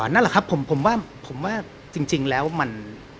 นั่นแหละครับผมว่าผมว่าจริงแล้วมัน